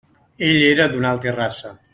Ell era d'una altra raça.